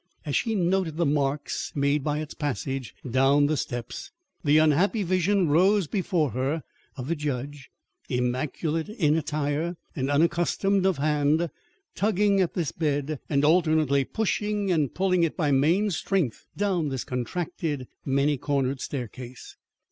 As she noted the marks made by its passage down the steps, the unhappy vision rose before her of the judge, immaculate in attire and unaccustomed of hand, tugging at this bed and alternately pushing and pulling it by main strength down this contracted, many cornered staircase.